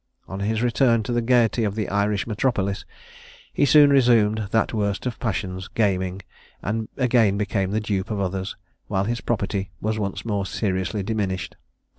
On his return to the gaiety of the Irish metropolis, he soon resumed that worst of passions gaming, and again became the dupe of others, while his property was once more seriously diminished.